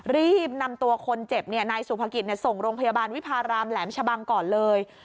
รีบนำตัวคนเจ็บนายสุภกิจส่งโรงพยาบาลวิพารามแหลมชะบังก่อนเลย